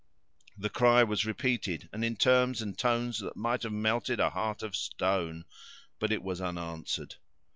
The cry was repeated, and in terms and tones that might have melted a heart of stone, but it was unanswered.